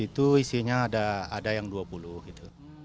di situ isinya ada yang dua puluh gitu